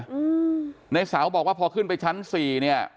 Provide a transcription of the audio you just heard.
อืมในเสาบอกว่าพอขึ้นไปชั้นสี่เนี้ย